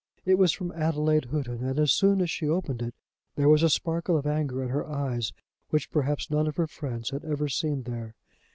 It was from Adelaide Houghton, and as she opened it there was a sparkle of anger in her eyes which perhaps none of her friends had ever seen there.